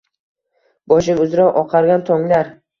Boshing uzra oqargan tonglar